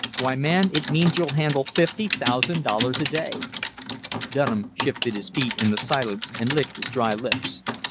"Why, man, it means you'll handle fifty thousand dollars a day!" Dunham shifted his feet in the silence and licked his dry lips.